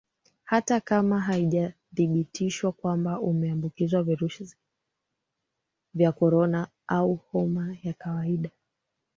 Hata kama haijathibitishwa kwamba umeambukizwa Virusi vya Korona au homa ya kawaida